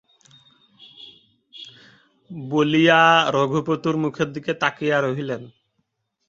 বলিয়া রঘুপতির মুখের দিকে তাকাইয়া রহিলেন।